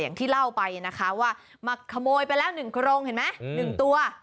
อย่างที่เล่าไปนะคะว่ามาขโมยไปแล้ว๑โครงเห็นไหม๑ตัว